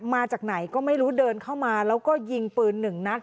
มาจากไหนก็ไม่รู้เดินเข้ามาแล้วก็ยิงปืนหนึ่งนัด